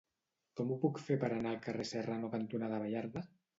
Com ho puc fer per anar al carrer Serrano cantonada Baliarda?